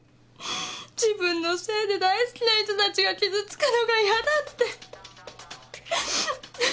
自分のせいで大好きな人たちが傷つくのがヤダって。